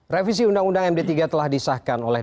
revisi undang undang md tiga telah disahkan oleh